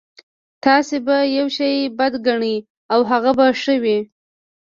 تاسې به يو شی بد ګڼئ او هغه به ښه وي.